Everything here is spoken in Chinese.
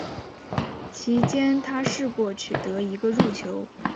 其间他试过取得一个入球。